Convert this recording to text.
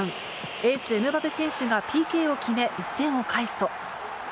エース、エムバペ選手がＰＫを決め、１点を返すと。